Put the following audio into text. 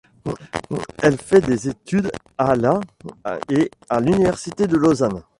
Elle fait des études à la et à l'université de Lausanne.